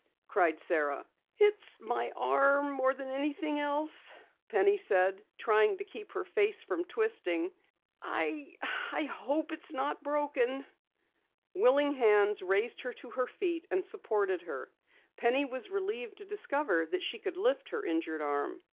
cried Sara. "It's my arm, more than anything else," Penny said, trying to keep her face from twisting. "I I hope it's not broken." Willing hands raised her to her feet and supported her. Penny was relieved to discover that she could lift her injured arm.